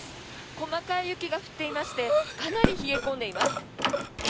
細かい雪が降っていましてかなり冷え込んでいます。